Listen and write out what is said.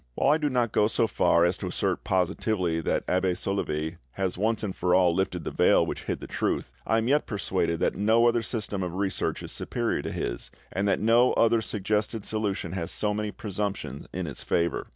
While I do not go so far as to assert positively that Abbe Soulavie has once for all lifted the veil which hid the truth, I am yet persuaded that no other system of research is superior to his, and that no other suggested solution has so many presumptions in its favour.